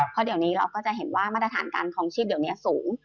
ควรแต่เดี๋ยวเราจะเห็นว่ามัฒนฐานการของชีพสูง